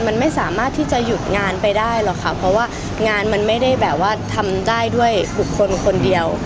มันไม่สามารถที่จะหยุดงานไปได้หรอกค่ะเพราะว่างานมันไม่ได้แบบว่าทำได้ด้วยบุคคลคนเดียว